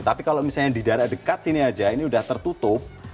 tapi kalau misalnya di daerah dekat sini aja ini sudah tertutup